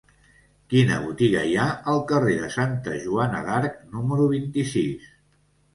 Quina botiga hi ha al carrer de Santa Joana d'Arc número vint-i-sis?